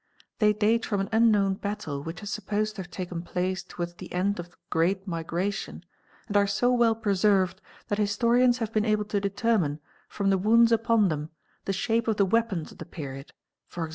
They dat from an unknown battle which is supposed to have taken place toward the end of the great migration, and are so well preserved that historiar have been able to determine, from the wounds upon them, the shaj of the weapons of the period: e.g.